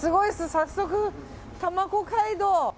早速、たまご街道。